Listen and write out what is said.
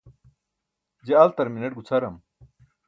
je altar mineṭ gucʰaram